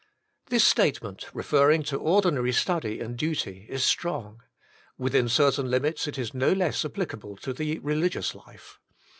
This statement, referring to ordinary study and duty, is strong: within certain limits it is no less applicable to the religious life.